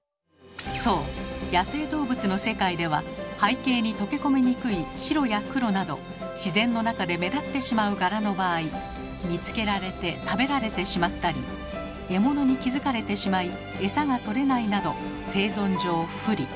そう野生動物の世界では背景に溶け込みにくい白や黒など自然の中で目立ってしまう柄の場合見つけられて食べられてしまったり獲物に気付かれてしまい餌がとれないなど生存上不利。